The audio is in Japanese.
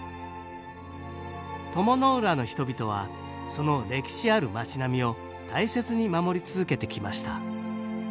鞆の浦の人々はその歴史ある町並みを大切に守り続けてきました。